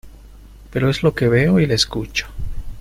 pero es que le veo y le escucho